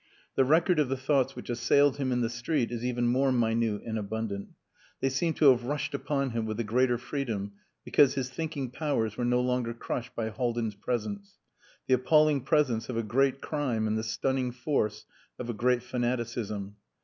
The record of the thoughts which assailed him in the street is even more minute and abundant. They seem to have rushed upon him with the greater freedom because his thinking powers were no longer crushed by Haldin's presence the appalling presence of a great crime and the stunning force of a great fanaticism.